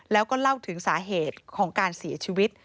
แล้วก็เล่าถึงสาเหตุของการเสียชีวิต